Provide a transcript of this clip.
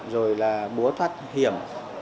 rồi là búa thoát hiểm